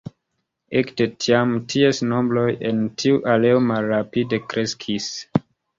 Ekde tiam, ties nombroj en tiu areo malrapide kreskis.